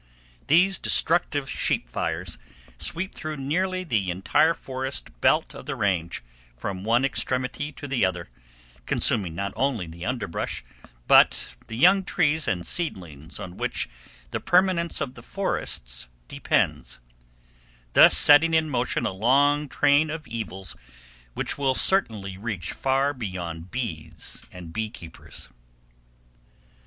These destructive sheep fires sweep through nearly the entire forest belt of the range, from one extremity to the other, consuming not only the underbrush, but the young trees and seedlings on which the permanence of the forests depends; thus setting in motion a long train of evils which will certainly reach far beyond bees and beekeepers.